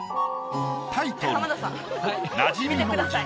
タイトル